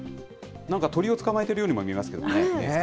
なんか鳥を捕まえてるようにも見えますけどね。